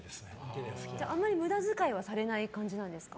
あまり無駄遣いはされない感じですか？